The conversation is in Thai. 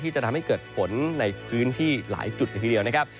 จะทำให้เกิดฝนในพื้นที่หลายจุดละทีเดียวนะครับ